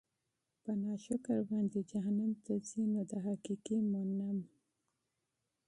په ناشکر باندي جهنّم ته ځي؛ نو د حقيقي مُنعِم